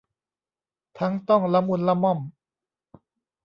ทั้งต้องละมุนละม่อม